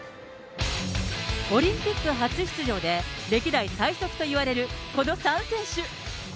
オリンピック初出場で、歴代最速といわれるこの３選手。